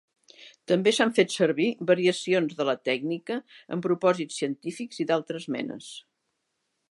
També s'han fet servir variacions de la tècnica amb propòsits científics i d'altres menes.